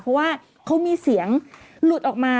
เพราะว่าเขามีเสียงหลุดออกมา